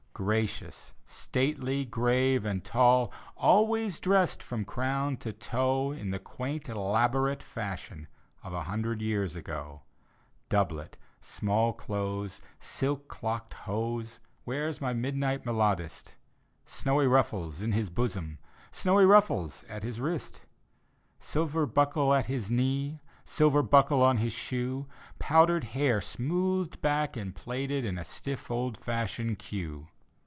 Gracious, stately, grave and tall. Always dressed from crown to toe In the quaint elaborate fashion Of a hundred years ago. Doublet, small clothes, silk clocked hose; Wears my midnight melodist, Snowy ruffles in his bosom. Snowy ruffles at his wrist Silver buckle at his knee, Silver buckle on his shoe; Powdered hair smoothed back and plaited In a stiff old fashioned queue.